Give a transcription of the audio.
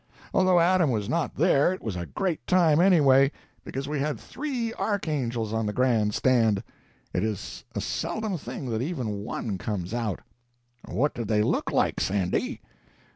Although Adam was not there, it was a great time anyway, because we had three archangels on the Grand Stand—it is a seldom thing that even one comes out." "What did they look like, Sandy?"